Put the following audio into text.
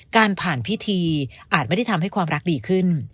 การผ่านพิธีอาจไม่ได้ทำให้ความรักดีขึ้น